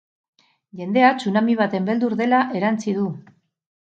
Jendea tsunami baten beldur dela erantsi du.